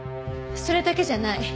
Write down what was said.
それだけじゃない。